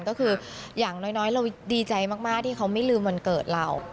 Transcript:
ก็คืออย่างน้อยเราดีใจมากที่เขาไม่ลืมวันเกิดเรา